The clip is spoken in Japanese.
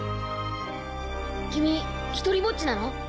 君ひとりぼっちなの？